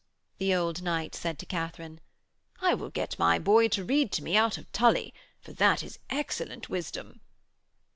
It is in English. the old knight said to Katharine. 'I will get my boy to read to me out of Tully, for that is excellent wisdom.'